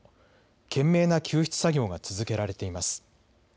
懸命な救出作業が続けられています。